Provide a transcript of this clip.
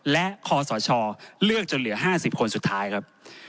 และคอสชเลือกจนเหลือ๕๐คนสุดท้ายครับ